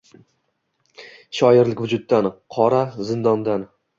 Shoirlik vujuddan – qora zindondan